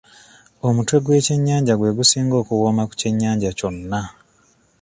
Omutwe gw'ekyennyanja gwe gusinga okuwoma ku kyennyanja kyonna.